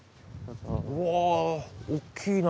うわっ大きいな。